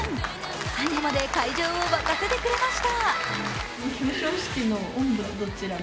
最後まで会場を沸かせてくれました。